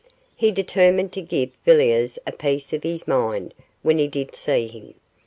He determined to give Villiers a piece of his mind when he did see him.